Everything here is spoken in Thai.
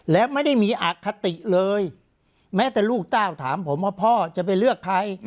และไม่ได้มีอคติเลยแม้แต่ลูกเต้าถามผมว่าพ่อจะไปเลือกใคร